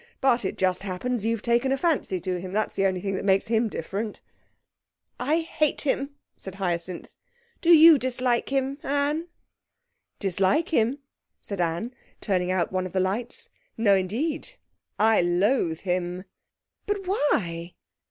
But it just happens you've taken a fancy to him; that's the only thing that makes him different.' 'I hate him,' said Hyacinth. 'Do you dislike him, Anne?' 'Dislike him?' said Anne, turning out one of the lights. 'No, indeed! I loathe him!' 'But why?'